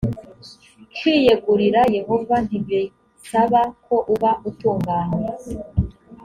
kwiyegurira yehova ntibisaba ko uba utunganye